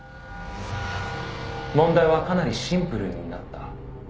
「問題はかなりシンプルになった」